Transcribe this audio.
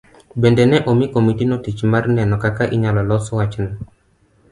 Bende ne omi komitino tich mar neno kaka inyalo los wachno.